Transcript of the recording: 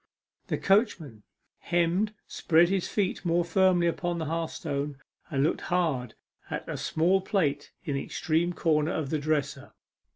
The coachman hemmed, spread his feet more firmly upon the hearthstone, and looked hard at a small plate in the extreme corner of the dresser.